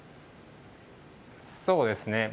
そうですね。